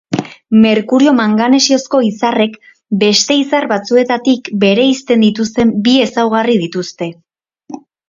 Merkurio-manganesozko izarrek beste izar batzuetatik bereizten dituzten bi ezaugarri dituzte.